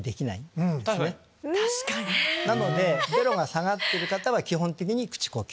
なのでベロが下がってる方は口呼吸。